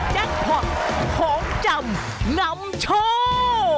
แจ็คพอตของจำนำโชว์